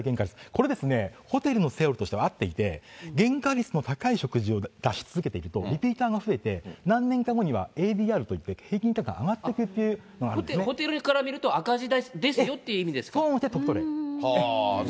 これですね、ホテルのセオリーとしては合っていて、原価率の高い食事を出し続けていくと、リピーターが増えて、何年か後にはっていう平均よりも上がっていくということがあるホテルから見ると赤字ですよっていう意味ですか。